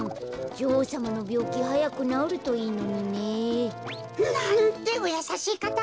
じょおうさまのびょうきはやくなおるといいのにね。なんておやさしいかた！